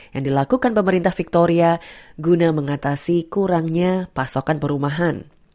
yang dilakukan pemerintah victoria guna mengatasi kurangnya pasokan perumahan